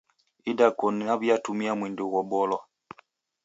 Idakoni naw'iatumia mwindi ghobolwa.